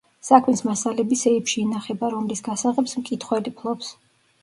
საქმის მასალები სეიფში ინახება, რომლის გასაღებს მკითხველი ფლობს.